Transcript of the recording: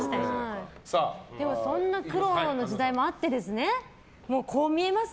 そんな苦労の時代もあってこう見えます。